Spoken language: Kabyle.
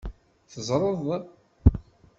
Tzedreḍ.